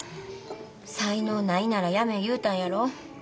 才能ないならやめえ言うたんやろ？